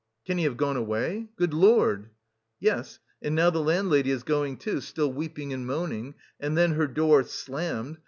"Can he have gone away? Good Lord!" Yes, and now the landlady is going too, still weeping and moaning... and then her door slammed....